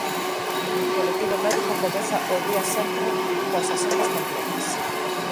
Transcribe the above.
O colectivo médico comeza o día sempre coas axendas completas.